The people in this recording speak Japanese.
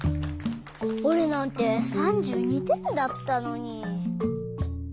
おれなんて３２てんだったのに。